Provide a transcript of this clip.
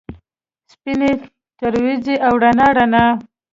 سپینې ترورځو ، او رڼا ، رڼا